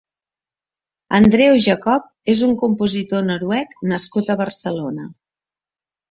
Andreu Jacob és un compositor noruec nascut a Barcelona.